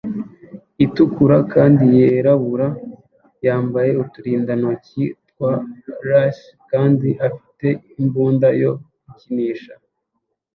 itukura kandi yirabura yambaye uturindantoki twa lace kandi afite imbunda yo gukinisha.